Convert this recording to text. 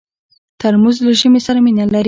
ترموز له ژمي سره مینه لري.